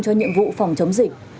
cho nhiệm vụ phòng chống dịch